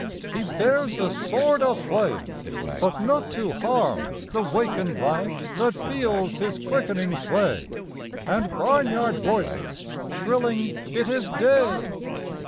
He bears a sword of flame but not to harm The wakened life that feels his quickening sway And barnyard voices shrilling "It is day!"